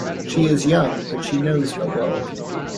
She is young, but she knows her world.